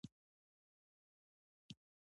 د دې پېغلې ښې سپينې واڅې دي